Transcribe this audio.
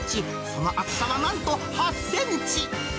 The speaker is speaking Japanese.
その厚さはなんと８センチ。